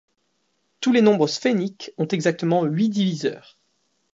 Tous les nombres sphéniques ont exactement huit diviseurs.